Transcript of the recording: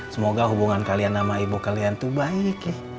semoga hubungan kalian sama ibu kalian tuh baik